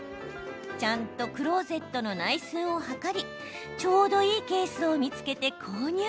ちゃんとクローゼットの内寸を測りちょうどいいケースを見つけて購入。